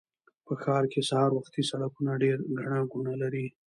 په ښار کې سهار وختي سړکونه ډېر ګڼه ګوڼه لري